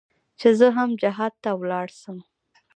چې زه هم جهاد ته ولاړ سم.